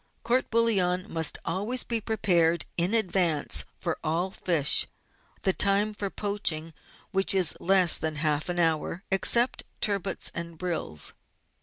Court bouillon must always be prepared in advance for all fish, the time for poaching which is less than half an hour, except turbots and brills.